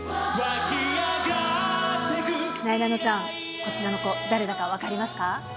なえなのちゃん、こちらの子、誰だか分かりますか？